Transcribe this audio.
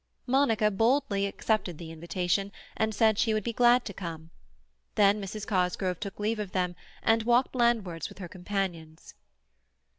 Monica boldly accepted the invitation, said she would be glad to come. Then Mrs. Cosgrove took leave of them, and walked landwards with her companions.